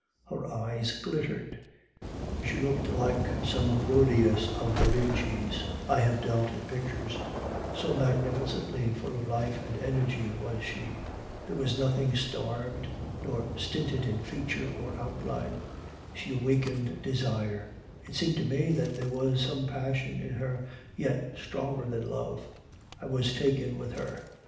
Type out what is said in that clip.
Her eyes glittered. She looked like some Herodias of da Vinci's (I have dealt in pictures), so magnificently full of life and energy was she; there was nothing starved nor stinted in feature or outline; she awakened desire; it seemed to me that there was some passion in her yet stronger than love. I was taken with her.